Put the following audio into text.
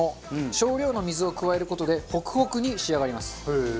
少量の水を加える事でホクホクに仕上がります。